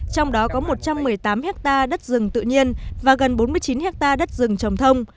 trong đó có một trăm một mươi tám hectare đất rừng tự nhiên và gần bốn mươi chín hectare đất rừng trồng thông